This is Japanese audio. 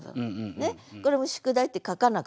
これも「宿題」って書かなくても分かる。